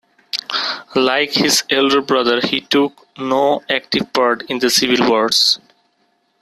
Like his elder brother, he took no active part in the Civil Wars.